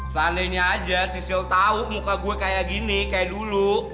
seandainya aja cicil tahu muka gue kayak gini kayak dulu